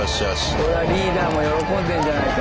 これはリーダーも喜んでんじゃないか？